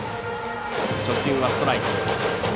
初球はストライク。